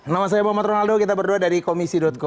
nama saya muhammad rinaldo kita berdua dari komisi com